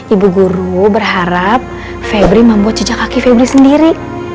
ibu guru berharap febri membuat jejak kaki febri sendiri